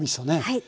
はい。